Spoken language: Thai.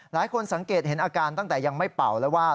สังเกตเห็นอาการตั้งแต่ยังไม่เป่าแล้วว่า